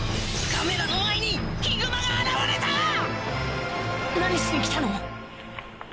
カメラの前にヒグマが現れた何しに来たの？